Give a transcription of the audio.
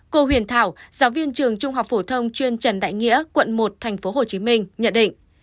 cô huyền thảo giáo viên trường trung học phổ thông chuyên trần đại nghĩa quận một tp hcm nhận định